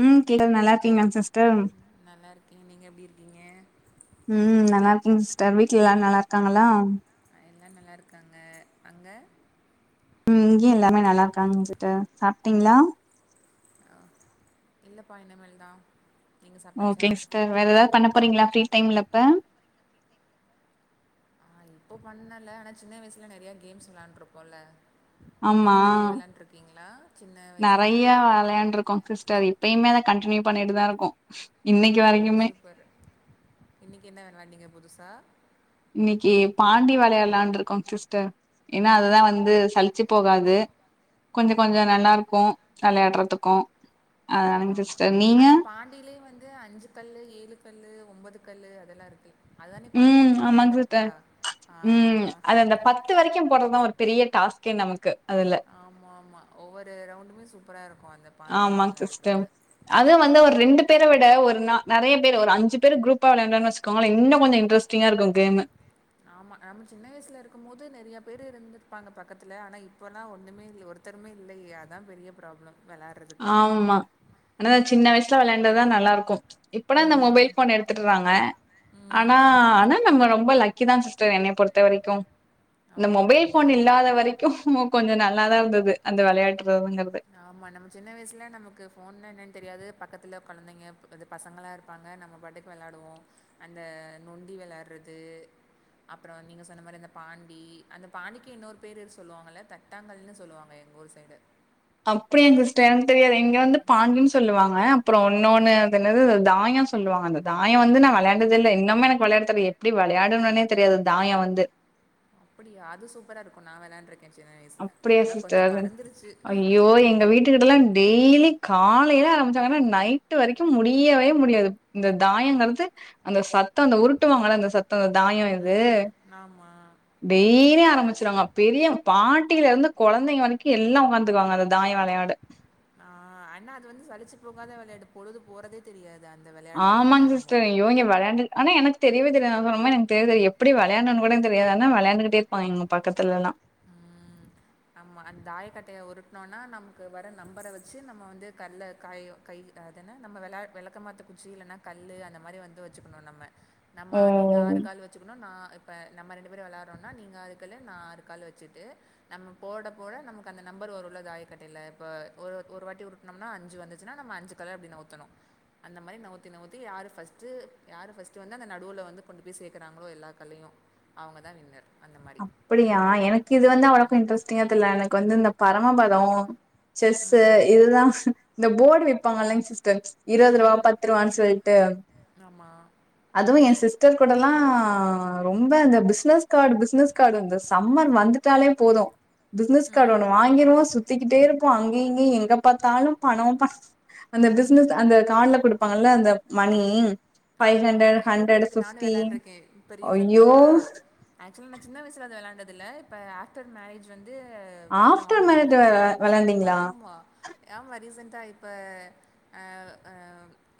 ம் கேக்குது நல்லா இருக்கீங்ளா சிஸ்டர் நல்லா இருக்கேங்க நீங்க எப்டி இருக்கீங்க ம் நல்லா இருக்கங் சிஸ்டர் வீட்ல எல்லாரு நல்லா இருக்காங்களா எல்லாரு நல்லா இருக்காங்க அங்க ம் இங்கியு எல்லாமே நல்லாருக்காங்க சிஸ்டர் சாப்ட்டீங்ளா ஆ இல்லப்பா இனிமேல் தா ஓகேங்க சி்ஸ்டர் வேற எதாது பண்ண போறீங்களா ஃபிரி டைம்ல இப்ப ஆனா இப்போ பண்ணல ஆனா சின்ன வயசுல நெறைய கேம்ஸ் விளான்ட்டுருப்போல நீங்க ஆமா அந்த மாரி எது விளாண்ட்ருக்கீங்ளா சின்ன வயசுல ஆ வெளயான்ட்ருக்கோ சிஸ் சரி இப்பயுமே அத கன்டின்யூ பண்ணிட்டுதா இருக்கோ இன்னைக்கு ஓ வரைக்குமே சூப்பரு இன்னைக்கு என்ன வெலாட்னீங்க புதுசா இன்னைக்கு பாண்டி வெளயாட்லான்ருக்கோ சிஸ்டர் ஏன்னா அதுதா ஓ வந்து சலிச்சு போகாது கொஞ்சோ ஆமாம் கொஞ்சோ ஆமாம் நல்லாருக்கு வெளாட்றதுக்கு ஆமா ஆமா அந்த பாண்டிலயு வந்து அஞ்சு கல்லு ஏழு கல்லு ஒம்பது கல்லு அதெல்லா இருக்கு அதானே பாண்டி ம் அதானே ஆமாங்க சிஸ்டர் கரெக்டா ஆ பத்து வரைக்கு போறதுதா ஒரு பெரிய டாஸ்கே நமக்கு அதுல ஆம்மா ஆம்மா ஒவ்வொரு ரவுண்டுமே சூப்பரா இருக்கு அந்த பாண்டி விளாடுறதுல அது வந்து ஒரு ரெண்டு பேர விட ஒரு நா நெறைய பேரு ஒரு அஞ்சு பேரு குரூப்பா வெளான்டோன்னு வெச்சுக்கோங்களே இன்னு கொஞ்சோ இன்ட்ரஸ் டிங்க இருக்கு கேம்மு ஆமா நம்ம சின்ன வயசுல இருக்கும் போது நெறைய பேரு இருந்துருப்பாங்க பக்கத்துல ஆனா இப்போல்லா ஒன்னுமே இல்ல ஒருத் த்தருமே இல்லயே அத்தா பெரிய ப்ராப்ளம் வெளாட் ஆமா அனா சின்ன வயசுல வெளாண்டாதா நல்லாருக்கு இப்பலா நா ம் மொபைல் போன எடுத்துட்றாங்க அனா ம் அனா நம்ம ரொம்ப லக் க்கிதா சிஸ்டர் என்ன பொறுத்த வரைக்கு இந்த ஆமா மொபைல் போன் கண்டிப்பா இல்லாத வரை க்கு மோ கொஞ்சோ நல்லாதா இருந்தது அந்த வெளயாட்டுறதுங்கறது ஆமா நம்ம சின்ன வயசுல நமக்கு ஃபோன்னு என்னன்னு தெரியாது பக்கத்துல கொழந்தைங்க அது பசங்களாக இருப்ப பாங்க நம்ம பாட்டுக்கு வெளாடுவோ அந்த நொண்டி வெளாட்றது அப்ரோ நீங்க சொன்ன மாரி அந்த பாண்டி அந்த பாண்டிக்கு இன்னொரு பேரு சொல்லுவாங்கள்ள தட் டாங்கல்ன்னு சொல்வாங்க எங்க ஊரு சைடு அப்டியாங் சிஸ்டர் தெரியல இங்க வந்து ம் பாண்டின்னு சொல்லுவாங்க அப்றோ இன்னொன்னு ம் அது என்னாது தாயோ சொ சொல்லுவாங்க அந்த தாயோ வந்து நா வெளான்டதே இல்ல இன்னமு எனக்கு வெளாட தெர்ல எப்டி வெளாடணும்னே தெரியாது தாயோ வந்து அப்டியா அது சூப்பரா இருக்கு நா வெளாண்ருக்கே சின்ன வயசுல அப்டியா ஆனா கொஞ்சோ மறந்துருச்சு த்து வீடெல்லா டெய்லி காலையில ஆரம்பிச்சாங்கன்னா நைட்டு வரைக்கு முடியவே முடியாது இந்த தாயங்கறது அந்த சத்தோ அந்த உருட்டுவாங்களா அந்த சத்ததோ தாயம் அது ம் ஆமா. டெய்லியு ஆரம்பிச்சுருவாங்க பெரிய பாட்டில இருந்து கொழந்தைங்க வரைக்கு எல்லா உக்காந்து தூக்குவாங்க அந்த தாயோ வெளையாட ஆ அனா அது வந்து சழிச்சு போகாத வெளையாட்டு பொழுது போறதே தெரியாது அந்த வெல ஆமாங்க சிஸ்டர் யோ இங்க வெளயாண்டு ஆனா எனக்கு தெரியவே தெரியாது அப்பறமா எனக்கு தெர்ல எப்டி வெலயாடனுன்னு கூட எனக்கு தெரியாது ஆனா வெளாண்டுகிட்டே இருப்பாங்க இங்க பக்கத்துலெல்லா ஆம்ம அந்த தாயக்கட்டய உருட்னோன்னா நமக்கு வர நம்பர வெச்சு நம்ம வந்து கல்ல காயு கை அதென்னா நம்ம விள விளக்க மாத்து குச்சி இல்லன்னா கல்லு அந்த மாரி வந்து வெச்சுக்கணு நம்ம நம்ம ஓ நீங்க ஆறு கால் வெ சுக்கணு நா இப்ப நம்ம ரெண்டு பேரு வெளாட்றோன்னா நீங்க ஆறு கல்லு நா ஆறு கல்லு வெச்சுட்டு நம்ம போட போட நமக்கு அந்த நம்பர் வருல தாய கட்டைல இப்போ ஒரு ஒரு வாட்டி உருட்டனோம்னா அஞ்சு வந்துச்சுன்னா நம்ம அஞ்சு கல்ல அப்டி வுத்தனு அந்த மாரி நவுத்தி நவுத்தி யாரு பஸ்ட்டு யாரு பஸ்ட்டு வந்து அந்த நடுவுல கொண்டு போய் சேக்கறாங்களோ எல்லா கல்லயு அவங்கதா வின்னர் அந்த மாரி அப்பிடியா எனக்கு இது வந்து அவளோக்கும் இன்ட்ரெஸ்டிங்கா தெர்ல எனக்கு வந்து இந்தப் பரமபதம் செஸ்சு ம். இதுதா இந்த போர்டு விப்பாங்கில்லைங் சிஸ்டர் இரவது ரூபா ம் பத்துரூவான்னு சொல்ட்டு ஆமா அதுவு என் சிஸ்டர் கூடல்லா ரொம்ப அந்த பிஸ்னஸ் கார்ட்டு பிஸ்னஸ் கார்ட்டு இந்த சம்மன் வந்துட்டாலே போதும் பிஸ்னஸ் கார்ட்டு ம் ஒன்னு வாங்கிருவா சுத்திக்கிட்டே இருப்பா அங்கயு இங்கயு எங்க பாத்தாலு பணோ ப அந்த பிஸ்னஸ் அந்த கார்ட்ல குடுப்பாங்கல்ல அந்த மணி ஃபைவ் ஆமா ஹண்ட்ரட் இருக்கு ஹண்ட்ரட் இருக்கு நானும் ஃபிப்டி விளாண்டுருக்கே இப்ப ரீசன்டா ஐயோ ஆக்சுவலா நா சின்ன வயசுல அது விளாண்டதுல்ல இப்ப ஆப் ட்டர் மேரேஜ் வந்து வீட்ல ஆஃப்டர் வாங்குனாங்க மேரேஜ் வெ வெளாண்டீங்களா ஆமா ஆமா ரீசன்ட்டா இப்ப அ அ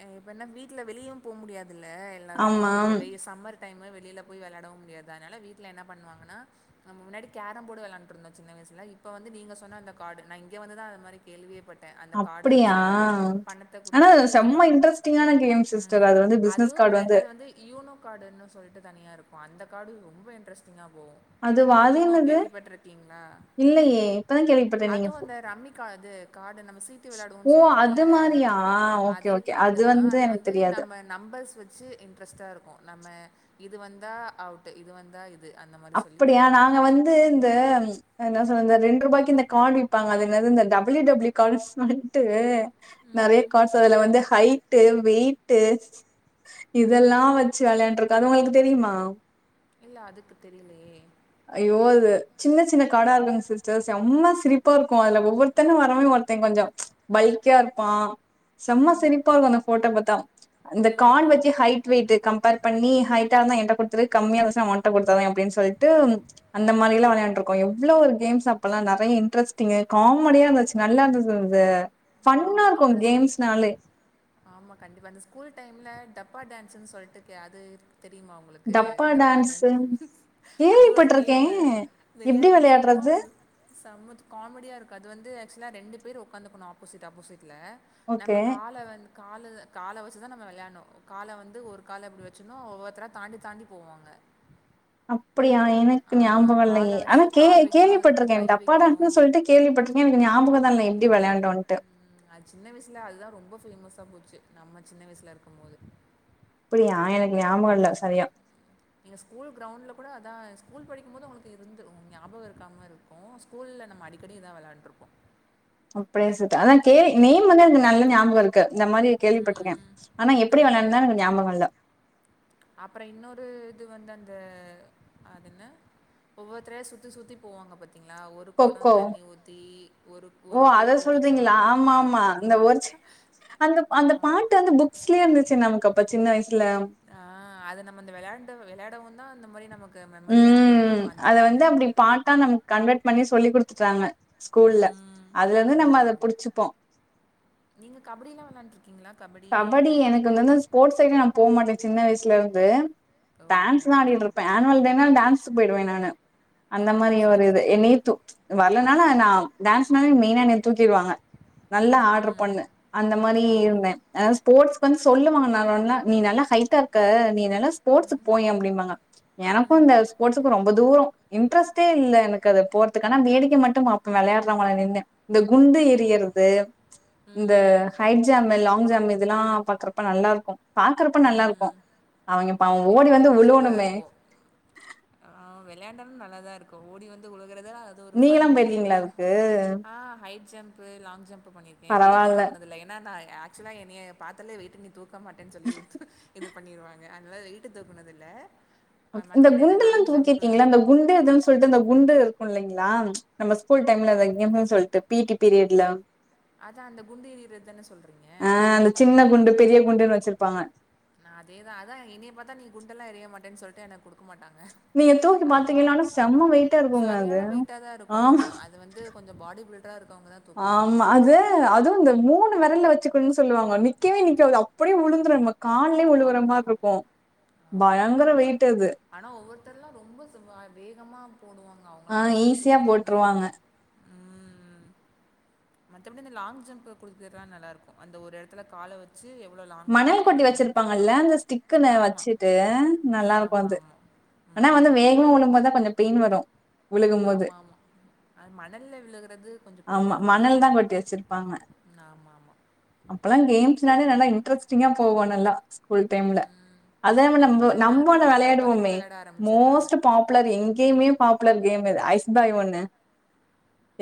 அ இப்ப என்னா வீட்ல வெளியவு போ முடியாதுல்ல எல்லாரும் ஆமா இப்ப வெயில் சம்மர் டைமு வெளில போய் விளாடவும் முடியாது அதனால வீட்ல என்ன பண்ணுவாங்கன்னா பண்ணுவாங்கன்னா நம்ப முன்னாடி கேரம் போர்ட்டு விளாண்டு இருந்தோ சின்ன வயசுல இப்ப வந்து நீங்க சொன்ன அந்த கார்ட்டு நா இங்க வந்து தா அந்த மாறி கேள்வியேப்பட்டே அந்த கார்ட வச்சு அப்படியா விளாட்றது பணத்த ஆனா குடுத்து செம்ம இன்ட்ரெஸ்டிங்கான கேம் சிஸ்டர் ம் அது வந்து பிசினஸ் அதும் கார்டு அப்பறோ ரெண்டாவது வந்து யூனோ கார்ட்டுன்னு சொல்ட்டு தனியா இருக்கும் அந்த கார்ட்டு ரொம்ப இன்ட்ரெஸ்டிங்கா போகும் அதுவா அது யூனோ என்னது கேள்விப்பட்றீக்கீங்ளா இல்லையே இப்பதா கேள்விப்பட்டே நீங்க அதும் அந்த ரம்மிகாது கார்ட்டு நம்ம சீட்டு ஓ விளாயாடுவோன்னு சொல்லுவோல்ல அது மாரியா ஓகே அதே ஓகே கார்ட்டுதா அது எனக்கு வந்து தெரியாது நம்ம நம்பர்ஸ் வச்சு இன்ட்ரஸ்டா இருக்கும் நம்ம இது வந்தா அவுட் இது வந்தா இ அப்படியா நாங்க வந்து இந்த அது என்னா சொல்றது இந்த ரெண்டு ரூபாய்க்கு இந்த கார்ட்டு விப்பாங்க அது என்னது இந்த டபிள்யூ டபிள்யூ கார்ட்டு வன்ட்டு நெறய ம் கார்ட்ஸ் அதுல வந்து ஹைட்டு வெய்டு ம் இதெல்லா வச்சு வெளாண்டுருக்கோ அது உங்களுக்கு தெரியுமா இல்ல அதுக்கு தெரியலயே ஐய்யோ அது சின்ன சின்ன காடா இருக்குங்க சிஸ்டர் செம்ம சிரிப்பா இருக்கும் அதுல ஒவ்வொருத்தங்க வரவ ஒருத்த கொஞ்சோ பைல்கியா இருப்பா செம்ம ம் சிரிப்பா இருக்கும் அந்த ஃபோட்டோ பாத்தா இந்த ம் கான் வச்சு ஹட் வெயிட் கம்பேர் பண்ணி ஹட்டா இருந்தா என்ட்ட குடுத் துரு கம்மியா போச்சுன்னா உன்ட்ட குடுத்தாதா அப்டின்னு சொல்ட்டு அந்த மாறில்லா வெளயாண்டு இருக்கோ எவ்ளோ ஒரு கேம்ஸ் அப்பல்லா நெறய இன்ட்ரஸ்டிங்கு காமொடியா இருந்துச்சு நல்லா இருந்தது இது ஃபன்னா ஆமா இருக்கும் அப்புற கேம்ஸ்னாலே ஆமா கண்டிப்பா அந்த ஸ்கூல் டைம்ல டப்பா டேன்ஸ்ன்னு சொல்ட்டுக்கே அது தெரியுமா உங்களுக்கு டப்பா டேன்ஸ் அது ஒரு கேள்விப்பட்ருக்கே கேமு எப்டி விளையாடு சும்மா வெளையாட்றது செமத் காமெடியா இருக்கும் அது வந்து ஆக்சுவலா ரெண்டு பேரு உக்காந்துக்கணு ஆப்போசிட் ஆப்போசிட்ல நம்ம ஓகே கால வந் கால இத கால வச்சுதா நம்ம விளையாட்ணு கால வந்து ஒரு கால இப்டி வச்சிட்ணு ஒவ்வொருத்தரா தாண்டி தாண்டி போவாங்க அப்படியா அதை எனக்கு ஞாபகம் காலை இல்லயே ஆனா வச்சு கே கால் வைக்கணும் அதுக்கப்புறம் கேள்விப்பட்டிருக்கே கை டப்பா வைக்கணும் டான்ஸ்ன்னு சொல்ட்டு கேள்விப்பட்ருக்கே எனக்கு ஞாபகம் தா இல்ல எப்டி விளாண்டோன்னு ம் அது சின்ன வயசுல அதுதா ரொம்ப வேமஸ்ஸா போச்சு நம்ம சின்ன வயசுல இருக்கும் போது அப்பிடியா எனக்கு ஞாபகம் இல்ல சரியா நீங்க ஸ்கூல் கிரௌண்ட்ல கூட அத்தா ஸ்கூல் படிக்கும்போது உங்களுக்கு இருந்து ஞாபகம் இருக்கா மாறி இருக் கும் ஸ்கூல்ல நம்ம அடிக்கடி இத்தா வெளாண்ட்ருப்போ ம் பேசிட்ட அத்தா கே நேம் வந்து நல்லா ஞாபகம் இருக் க்க இந்த மாரி கேள்விப்பட்டிருக்கே ம், ஆனா எப்டி ம். விளையாட ஞாபக இல்ல அப்புறம் இன்னொரு இது வந்து அந்த அது என்ன ஒவ்வொருத்ரையா சுத்தி சுத்தி போவாங்க பாத்தீங்களா ஒரு குடே கொக்கோ தண்ணி ஊத்தி ஒரு ஓ ஒரு பூ அத பூத்துச்ச சொல்றீங்களா ஆமா ஊத்துச்சா அந்த ஆமா ஒரு சி- அந்த அந்த பாட்டு வந்து புக்ஸ்லயே இருந்துச்சி நமக்கு அப்ப சின்ன வயசுல ஆ அது நம்ம வெளயாண்டு வெளயாடவவு தா அந்த மாரி நமக் ம் அத வந்து அப்டி பாட்டா நம் கன்வெர்ட் பண்ணி சொல்லி் கொடுத்துட்டாங்க ஸ்கூல்ல ம் அதுல இருந்து நம்ம அத புடிச்சிப்போ நீங்க கபடிலாம் வெளாட்ட இருக்கீங்களா கபடி கபடி எனக்கு வந்துந்து ஸ்போர்ட்ஸ் சைட்டே நா போ மாட்டே சின்ன வயசுல இருந்து ஓ டான்ஸ் எல்லா ஆடிட்டு ஓகே இருப்பே ஆன்வல் டே டான்ஸ் போயிடுவே நானு ஓ அந்த மாரி ஒரு சேரி இது சேரி என்ன தூ வரலனால நா டான்ஸ் நாலே மெயினா தூக்கடுவாங்க நல்லா ம் ஆடுற ம் பொண்ணு அந்த மாரி ஓ இருந்தே ஆ ஸ்போர்ட்ஸ்கு சொல்லுவாங்க நா நீ நல்லா ஹைட்டா இருக்க நீ எல்லா ஸ்போர்ட்க்கு போயே அப்டிபாங்க எனக்கும் அந்த ம் ஸ்போர்ட்ஸுக்கு ரொம்ப ரொம்ப தூரம் இன்ட்ரெஸ்டே இல்ல எனக்கு அது போறதுக்கானா வேடிக்க மட்டும் பாப்ப வெளயாடுறாவங்கள நின்னு இந்த குண்டு ஓ எரியறது இந்த ம் கைட் ஜம் லாங் ஜம் இதல்லா பாக்றப்ப நல்லா இருக்கும் பாக்கறப்ப நல்லா இருக்கும் ம் அவங்க பாவம் ஓடி வந்து வெளையாண்டாலு சூப்பரா விழுவனுமே இருக்கு ஆ வெளயாண்டாலு நல்லாதா இருக்கும் ஓடி வந்து உழுகுறத அது ஒரு ஃபன் நீங்கல்லா மூமெண்ட் போயிருக்கீங்களா தா அதுக்கு ஆ ஹைட் ஜம்ப் லாங் ஜம்ப் பண்ணிருக்கே வெயி்ட் பரவால்ல தூக்குனது இல்லா என்னா நா ஆக்சுவலா என்னைய பாத்தலே வெயிட் நீ தூக்க தூக்க மாட்டே சொல்லி இது பண்ணிருவாங்க அதனால வேயிட் தூக்குனது இல்ல ஓகே இந்த குண்டுல்லா தூக்கிற்கீங்ளே இந்த குண்டு எதுன் சொல்ட்டு இந்த குண்டு இருக்கு இல்லைங்ளா நம்ம ஸ்கூல் டைம்ல அது கெமெனு சொல்ட்டு பி டி பீரியட்ல அதா அந்த குண்டு ஏறிறத்தான சொல்றீங்க அந்த சின்ன குண்டு பெரிய குண்டுனு வெச்சிருப்பாங்க நா அதேதா அதா என்னிய பாத்தா நீ குண்டெல்லா எரிய மாட்டேன் சொல்ட்டு எனக் குடுக்கமாட்டாங்க நீங்க தூக்கி அதுனால பாத்தீங்கன்னா ஆனா செம்ம வெயிட்டா இருக்குங்க அது சரியான வெயிட்டா தா இருக்கோ ஆமா அது வந்து கொஞ்சோ பாடி பில் டர் இருக்கவுங்க தா தூக்க முடியு ஆமா அது அதுவு இந்த மூணு வெரல்ல வெச்சுக்குனு சொல்லுவாங்க நிக்கவே நிக்காது அப்டியே உழுந்துடு நமக் கால்லியே விழுவுரா ஆமாம் மார்ருக்கோ பயங்கர வெயிட் அது ஆனா ஒவ்வொருத்தர்லா ரொம்போ சும்மா வேகமா போடுவாங்க ஆ அவங்கலா எப்டி ஈஸியா தூக்குவாங்னே போட்டுருவாங்க. தெரியாது மத்தபடி இந்த லாங் ஜம்ப்பு குதிக்கற்லா நல்லாருக்கு அந்த ஒரு எடத்துல கால வெச்சு எவ்ளோ லாங்ல குதிக்கிறோமோ லங்க ஸ்டிக்குநெ ஆமாம் வெச்சிட்டு நல்லா இருக்கோ ஆமாம் அது ஆமாம் ஆனா வந்து ம் வேகமா உழும்போத்தா கொஞ்ச பெயின் வரோ உழுகும் மோது ஆமா ஆமா அது மணல்ல விழுகுறது கொஞ்சோ பெயின் இருக்காது மணல் தான் ஆமா ஆமா அப்பெலா கேம்ஸ்னாலே நல்லா இன்ட்ரெஸ்டிங்கா போவோ நல்லா ஸ்கூல் டெய்ம்ல அததே ம் நம்போ இப்பல்லா எல்லா நம்போன்னு ரூம்குள்ள உக்காந்துட்டே வெளையாடுவோமே வெளாட ஆரம்பிச்சர்றாங்க மோஸ்ட்டு பா ப்புலர் எங்கேயுமே பாப்புலர் கேம அது ஐஸ்பாய் ஒண்ணு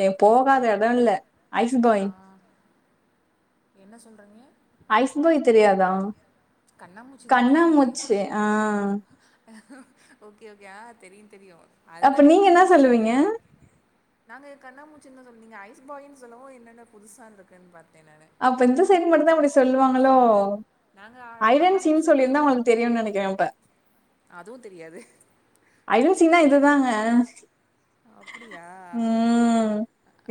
ஏ ஐஸ் போகாத பாலா எடொல்ல ஐஸ்பாய் ஆ என்ன சொல்றங்க ஐஸ் பாய் தெரியாதா கண்ணாமூச்சி தானே கண்ணா மூச்சி ஆ ஓகே ஓகே ஆ தெரியு தெரியு அப்ப அதுதானே நீங்க என்ன ஃபேமஸான சொல்லுவீங்க? கேமு நாங்க கண்ணாமூச்சின்தா சொல்லு நீங்க ஐஸ் பாயின் சொல்லவோ இன்னென்னு புதுசான்ருக்கே பாத்தே நானு அப்போ இந்த சைடு மட்டுந்தா இப்டி சொல்லுவாங்ளோ நாங்க ஆ ஹைடன்சின் கண்ணாமூச்சின்னு தா சொல்லிந்தா சொல்லுவோ உங்ளுக் தெரியுன்னெனைக்ற அப்ப அதுவு தெரியாது ஹைடன்சினா இதுதாங்க அப்டியா ம்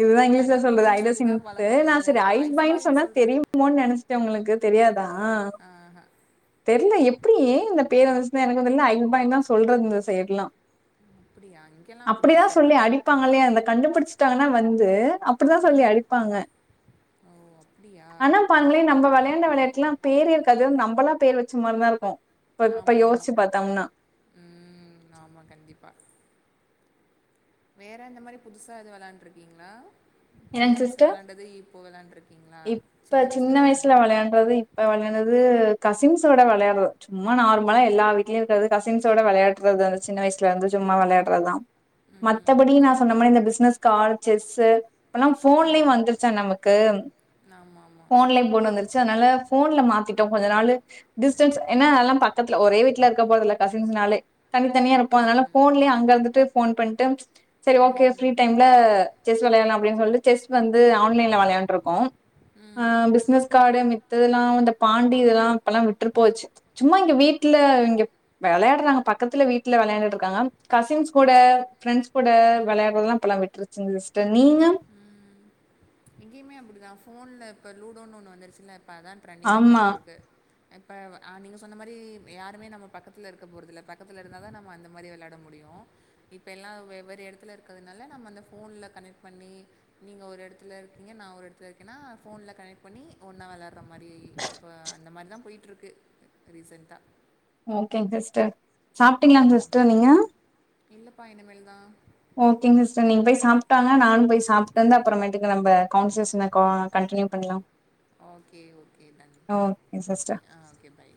இதுதா இங்கிலீஷ்ல சொல்றது ஐடசின் சொல்லிதா தே பழக்கோ வேனா நீங்க செரி இப்ப ஐஸ் ஐஸ்பாயின் சொன்னா பாய்ன்னு சொல்ற தெரியுமோ நெனச் சே உங்ளுக்கு தெரியாதா இல்ல ஆஹா தெர்லே எப்டி ஏ இந்த பேர் வந்துச்சுந்தா எனக்கு தெர்ல ஐப்பாயின்தா சொல்றது இந்த சைய்டுலா அப்படியா இங்கெல்லா அப்படிலா அப்டிதா சொல்லி சொல்றதில்ல. அடிப்பாங்லே அந்த கண்டு புடிச்டாங்னா வந்து அப் டிதா சொல்லி ம். அடிப்பாங்க ஓ! அப்படியா? ஆனா ஓகே, பாருங்ளே ஓகே. நம்போ வெளையாண்ட வெளையாட்லா பேரே இருக்காது நம்ளா பேரு வெச்ச மார்தா இருக்கோ ஆமா ஆமா ம் ஆமா கண்டிப்பா வேற இந்த மாரி புதுசா ஏதோ வெளாண்ருக்கீங்ளா சின்ன என்னங்க சிஸ்டர் வயிஸ்ல வெளாண்டது இப்போ வெளாண்ருக்கீங்ளா சின்ன வயிஸ்ல வெளாண்டு விளாண்ரதுப் இப்போ விளையாண்டது கசின்ஸோட விளையாட்ரு சும்மா நார்மலா எல்லா வீட்லேயு இருக்கர்து கசின்ஸோட வெளையா ற்றது அந்த சின்ன வயிஸ்லெந்து சும்மா வெளையாட்றது தாம் ம். மத்தபடி நா சொன்ன மரி இந்த பிஸ்னஸ் கார்டு செஸ்சி இப்பன்னா போன்லேயு ம். வந்துருச்சா நமக்கு ஆமாமா. போன்லேயு போணு வந்து ச்சி அதனால போன்ல மாத்திட்டோ கொஞ்சோ நாளு டிஸ்டன்ஸ் ஏனா அதெலா பக்கத்துல ஒரே வீட்ல இருக்க போறதுல்ல கசின்ஸ்னாலே தனித்தனியா இருப்போ அதனால ம். போன்லேயே அங்க இருந்துட்டு போன் பண்ட்டு செரி ஓகே ஃப்ரீ ம். டைம்ல செஸ் வெளையாடலா அப்டின் சொல்ட்டு செஸ் வந்து ஆன்லைன்ல வெளையாண்ருக்கோம் ம். ஆம் பிஸ்னஸ் கார்டு மி த்ததுலா இந்த பாண்டி இதலா இப்பலா விட்று போச்சி சும்மா இங்க வீட்ல இங்கேப் வெளையாடுறாங்க பக்கத்துல வீட்ல வெளையான்டுட்ருக்காங்க கசின்ஸ் கூட ப்ரெண்ட்ஸ் கூட வெளையாடுறதுலா இப்பலா விட்ரு சரிங் சிஸ்டர் நீங்க இங்கேயமே அப்டிதா போன்ல இப்போ லூடோனு ஒன்னு வந்துருச்சுல்ல இப்ப அதா டிரெண்டிங்கா ஆமா போயிட்டு இருக்கு இப்ப அ நீங்க சொன்ன மாரி யாருமே நம்ம பக்கத்தில இருக்க போறதில்ல பக்கத்தில இருந்தா தா நம்ம அந்த மாரி வெளாட முடியு இப்ப எல்லா வெவ்வேறு எடத்துல இருக்கிறதுனால நம்ம அந்த போன்ல கனெக்ட் பன்னி நீங்க ஒரு எடத்துல இரு ப்பிங்க நா ஒரு எடத்துல இருக்கேனா போன்ல கனெக்ட் பண்ணி ஒன்னா வெளாட்ற மாரி இப்போ அந்த மாதிரிதா போயிட்டு இருக்கு ரீசென்டா ஓகேங் சிஸ்டர் சாப்ட்டீங்ளா சிஸ்டர் நீங்க இல்லப்பா இனிமேல் தா ஓகேங் சிஸ்டர் நீங்க போய் சாப்ட்டாங்க நானு போயி சாப்ட்டு வந்து அப்பறமேட்டுக்கு நம்ம கவுன்சிஷன்ன கா அ கண்டினியூ பண்லாம் ஓகே ஓகே நன் ஓகே சிஸ்டர் ஆ ஓகே பாய்